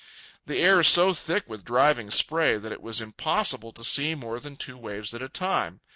The air so thick with driving spray that it was impossible to see more than two waves at a time.